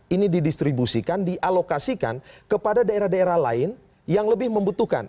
ini didistribusikan dialokasikan kepada daerah daerah lain yang lebih membutuhkan